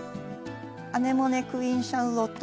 アネモネ‘クイーンシャーロット